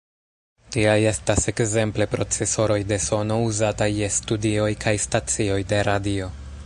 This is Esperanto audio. Tiaj estas ekzemple procesoroj de sono, uzataj je studioj kaj stacioj de radio.